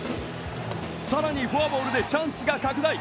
更にフォアボールでチャンスが拡大。